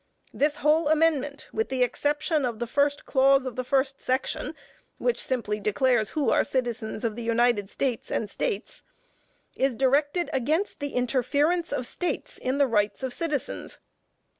This whole amendment, with the exception of the first clause of the first section, which simply declares who are citizens of the United States and States, is directed against the interference of States in the rights of citizens.